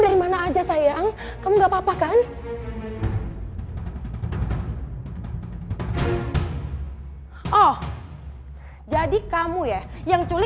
willen mel nimmt mu dengan sikap melepasi expectasi